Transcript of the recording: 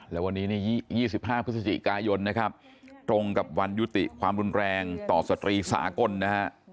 แล้ววันนี้นี่๒๕พฤศจิกายนนะครับตรงกับวันยุติความรุนแรงต่อสตรีสากลนะฮะ